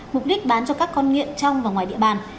mục đích bán cho các con nghiện trong và ngoài địa bàn